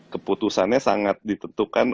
keputusannya sangat ditentukan